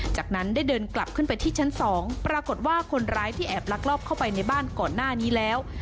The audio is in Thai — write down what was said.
จากนั้นได้เดินกลับขึ้นไปที่ชั้น๒ปรากฏว่าคนร้ายที่แอบลักลอบเข้าไปในบ้านก่อนหน้านี้แล้ว